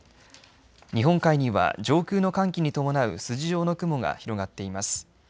日本海には上空の寒気に伴う筋状の雲が広がっています。